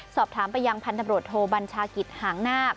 สอบถามไปยังพันธบรวจโทบัญชากิจหางนาค